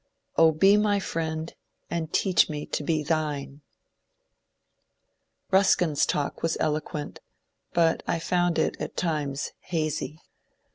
O be my friend and teach me to be thine I Ruskin's talk was eloquent, but I found it at times hazy.